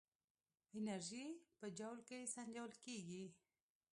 انرژي په جول کې سنجول کېږي.